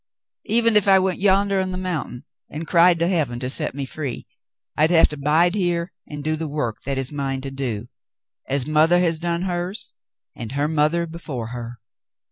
Even if I went yonder on the mountain and cried to heaven to set me free, I'd have to bide here and do the work that is mine to do, as mother has done hers, and her mother before her."